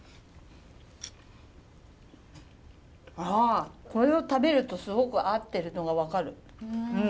あこれを食べるとすごく合ってるのが分かるうん。